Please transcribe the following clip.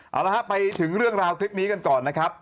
เอาละฮะไปถึงเรื่องราวคลิปนี้กันก่อนนะครับ